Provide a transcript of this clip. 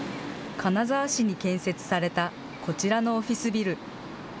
金沢市に建設された、こちらのオフィスビル。